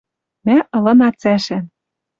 Мӓ ылына цӓшӓн